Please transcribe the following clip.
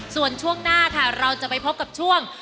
ส่วนช่วงหน้าค่ะเราจะไปพบกับช่วง